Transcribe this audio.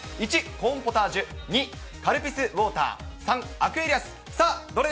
１、コーンポタージュ、２、カルピスウォーター、３、アクエリアス。